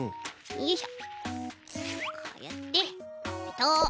よいしょ。